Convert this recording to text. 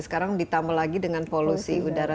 sekarang ditambah lagi dengan polusi udara